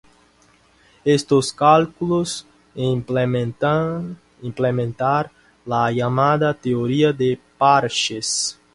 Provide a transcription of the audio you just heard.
Estos cálculos implementar la llamada "teoría de parches".